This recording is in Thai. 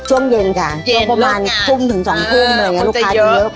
ช่วงเย็นค่ะประมาณทุ่มถึง๒ทุ่มเลยนะลูกค้าเยอะ